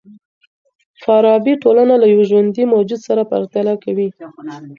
فارابي ټولنه له يوه ژوندي موجود سره پرتله کوي.